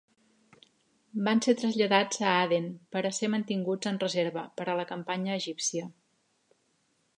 Van ser traslladats a Aden per a ser mantinguts en reserva per a la campanya egípcia.